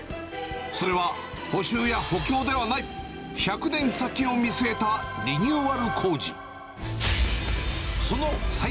それは、補修や補強ではない、１００年先を見据えたリニューアル工事。